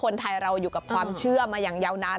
คนไทยเราอยู่กับความเชื่อมาอย่างยาวนาน